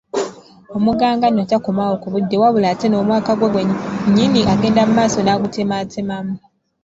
Omuganga nno takoma awo ku budde wabula ate n'omwaka gwe nnyini agenda mu maaso n'agutemaatemamu